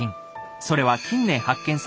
それは近年発見され